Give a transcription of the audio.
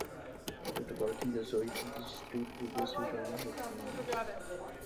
Portugal tem dezoito distritos e duas regiões autónomas.